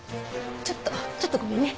ちょっとちょっとごめんね。